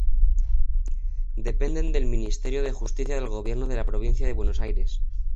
Dependen del ministerio de justicia del Gobierno de la Provincia de Buenos Aires.